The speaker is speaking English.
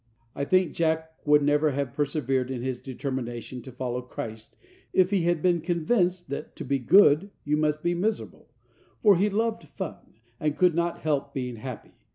I think Jack would never have persevered in his determination to follow Christ, if he had been convinced that "to be good you must be miserable," for he loved fun, and could not help being happy.